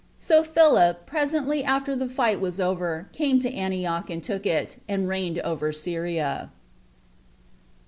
So Philip, presently after the fight was over, came to Antioch, and took it, and reigned over Syria.